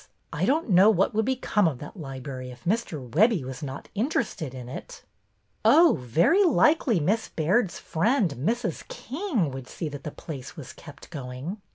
I don't know what would become of that library if Mr. Webbie was not interested in it." '' Oh, very likely Miss Baird's friend, Mrs. King, would see that the place was kept going.